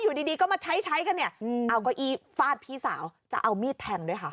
อยู่ดีก็มาใช้ใช้กันเนี่ยเอาเก้าอี้ฟาดพี่สาวจะเอามีดแทงด้วยค่ะ